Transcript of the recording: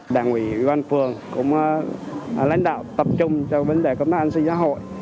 đảng ủy ủy ban phường cũng lãnh đạo tập trung cho vấn đề công tác an sinh xã hội